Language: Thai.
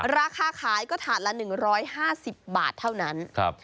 ราคาขายก็ถาดละหนึ่งร้อยห้าสิบบาทเท่านั้นครับ